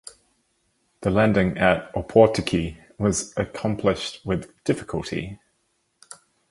The landing at Opotiki was accomplished with difficulty.